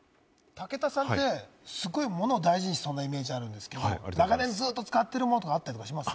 武田さんって、すごいものを大事にしそうなイメージがあるんですけど長年使ってるものとかあったりします？